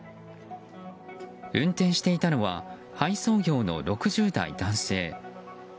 運転していたのは配送業の６０代男性。